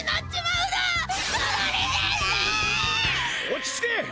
落ち着け！